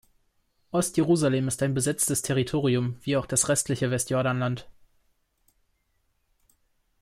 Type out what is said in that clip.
Ostjerusalem ist ein besetztes Territorium, wie auch das restliche Westjordanland.